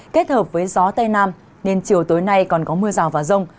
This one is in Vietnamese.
kết hợp với gió tây nam nên chiều tối nay còn có mưa rào và rông